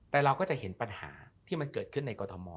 แต่เราก็จะเห็นปัญหาที่มันเกิดขึ้นในกรทม